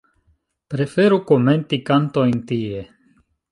Preferu komenti kantojn tie.